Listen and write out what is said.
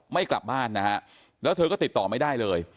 ไม่กลับบ้านนะฮะแล้วเธอก็ติดต่อไม่ได้เลย